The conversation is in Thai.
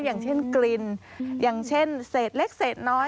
อย่างเช่นกลิ่นอย่างเช่นเศษเล็กเศษน้อย